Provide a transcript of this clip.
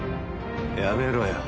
やめろよ。